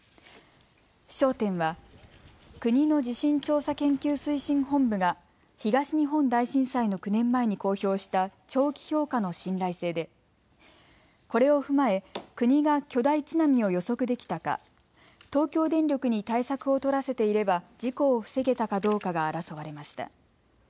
焦点は国の地震調査研究推進本部が東日本大震災の９年前に公表した長期評価の信頼性でこれを踏まえ国が巨大津波を予測できたか、東京電力に対策を取らせていれば事故を防げたかどうかが争われました。